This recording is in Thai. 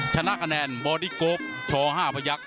ชนะคะแนนบอดิโก๊ปช๕ประยักษณ์